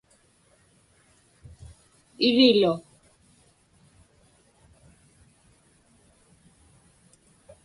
irilu